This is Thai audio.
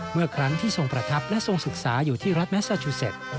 เมื่อครั้งที่ทรงประทับและทรงศึกษาอยู่ที่รัฐแมสซาชูเซ็ต